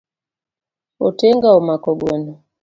Otenga omako gweno.